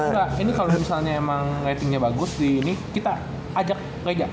engga ini kalo misalnya emang ratingnya bagus di ini kita ajak reja